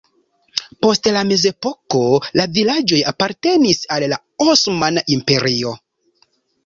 Post la mezepoko la vilaĝoj apartenis al la Osmana Imperio.